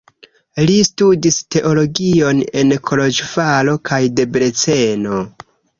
Li studis teologion en Koloĵvaro kaj Debreceno.